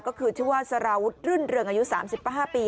ก็คือชื่อว่าสารวุฒิรื่นเรืองอายุ๓๕ปี